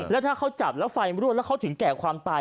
แล้วถ้าเขาจับแล้วไฟรั่วแล้วเขาถึงแก่ความตาย